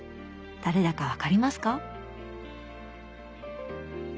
誰だか分かりますか？